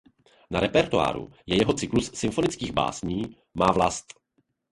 Na repertoáru je jeho cyklus symfonických básní "Má vlast".